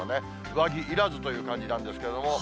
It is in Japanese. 上着いらずという感じなんですけども。